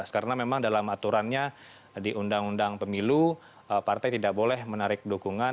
karena memang dalam aturannya di undang undang pemilu partai tidak boleh menarik dukungan